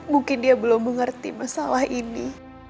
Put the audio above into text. mungkin dia belum mengerti masalah ini